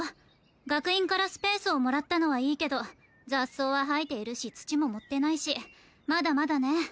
学院からスペースをもらったのはいいけど雑草は生えているし土も盛ってないしまだまだね